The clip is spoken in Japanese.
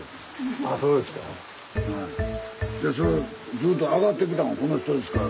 ずっと上がってきたのこの人ですから。